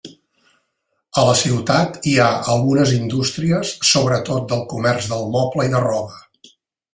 A la ciutat hi ha algunes indústries sobretot del comerç del moble i de roba.